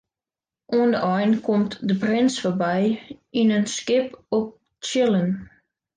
Oan de ein komt de prins foarby yn in skip op tsjillen.